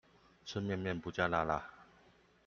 吃麵麵不加辣辣